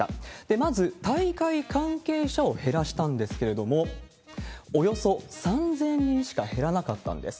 まず、大会関係者を減らしたんですけれども、およそ３０００人しか減らなかったんです。